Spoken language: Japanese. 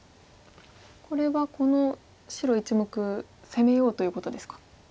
これはこの白１目攻めようということですか？